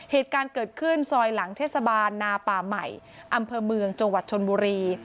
เหตุการณ์เกิดขึ้นซอยหลังเทศบาลนาป่าใหม่อำเภอเมืองจังหวัดชนบุรี